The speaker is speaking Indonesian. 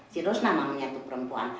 si rusna mami nya itu perempuan